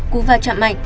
cú va chạm mạnh